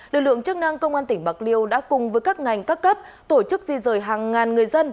lực lượng chức năng công an tỉnh bạc liêu đã cùng với các ngành các cấp tổ chức di rời hàng ngàn người dân